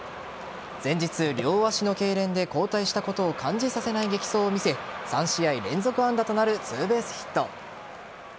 前日、両足のけいれんで交代したことを感じさせない力走を見せ３試合連続安打となるツーベースヒット。